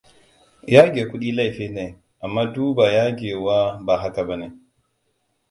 Yage kuɗi laifi ne, amma duba yagewa ba haka bane.